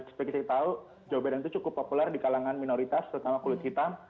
seperti kita tahu joe biden itu cukup populer di kalangan minoritas terutama kulit hitam